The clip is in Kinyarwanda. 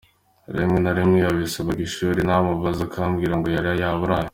Rimwe na rimwe yasibaga ishuri namubaza akambwira ngo yari yaburaye.